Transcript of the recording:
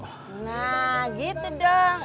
nah gitu dong